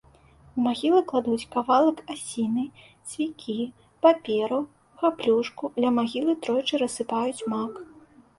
У магілу кладуць кавалак асіны, цвікі, паперу, габлюшку, ля магілы тройчы рассыпаюць мак.